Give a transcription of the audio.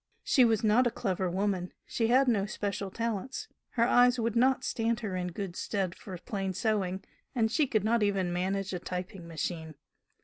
She was not a clever woman, she had no special talents, her eyes would not stand her in good stead for plain sewing, and she could not even manage a typing machine.